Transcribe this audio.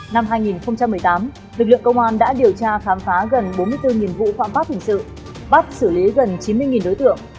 năm hai nghìn một mươi tám lực lượng công an đã điều tra khám phá gần bốn mươi bốn vụ phạm pháp hình sự bắt xử lý gần chín mươi đối tượng